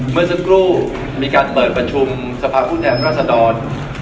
เมื่อสักครู่มีการเปิดประชุมสภาพผู้แทนรัศดร